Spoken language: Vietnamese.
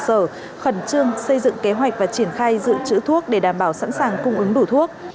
sở khẩn trương xây dựng kế hoạch và triển khai dự trữ thuốc để đảm bảo sẵn sàng cung ứng đủ thuốc